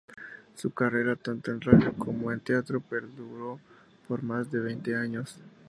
Su carrera tanto en radio como en teatro perduró por más de veinte años.